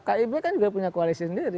kib kan juga punya koalisi sendiri